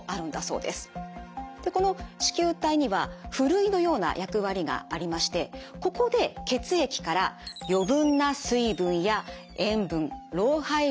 この糸球体にはふるいのような役割がありましてここで血液から余分な水分や塩分老廃物などをろ過しています。